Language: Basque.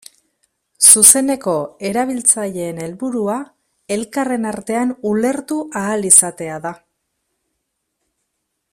Zuzeneko erabiltzaileen helburua elkarren artean ulertu ahal izatea da.